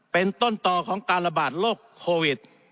เป็นต้นต่อของการระบาดโรคโควิด